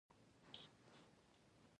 دای یې اولین او وروستۍ ایډیال دی.